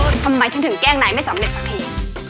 ทำไมฉันถึงแกล้งนายไม่สำเร็จสักที